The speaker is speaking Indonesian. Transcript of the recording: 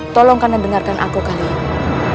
tolong kalian dengarkan aku kali ini